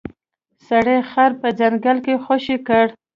سړي خر په ځنګل کې خوشې کړ.